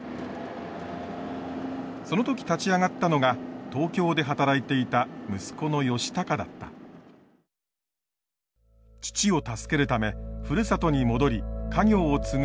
その時立ち上がったのが東京で働いていた父を助けるためふるさとに戻り家業を継ぐ決心をした。